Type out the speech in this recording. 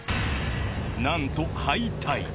なんと敗退。